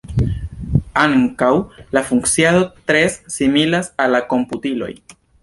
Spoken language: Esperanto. Ankaŭ la funkciado tre similas al la komputiloj.